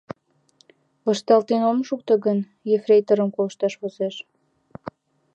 Вашталтен ом шукто гын, ефрейторым колышташ возеш.